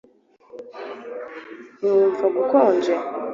ntiwumva ukonje